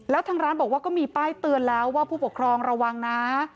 แล้วทางร้านบอกว่าก็มีป้ายเตือนแล้วว่าผู้ปกครองระวังนะ